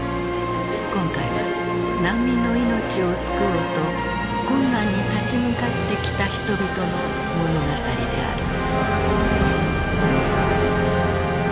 今回は難民の命を救おうと困難に立ち向かってきた人々の物語である。